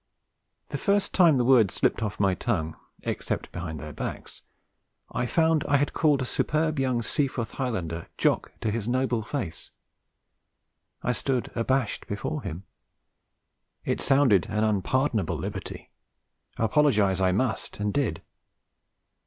The first time the word slipped off my tongue, except behind their backs, and I found I had called a superb young Seaforth Highlander 'Jock' to his noble face, I stood abashed before him. It sounded an unpardonable liberty; apologise I must, and did.